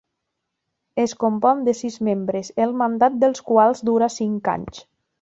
Es compon de sis membres, el mandat dels quals dura cinc anys.